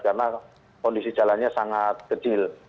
karena kondisi jalannya sangat kecil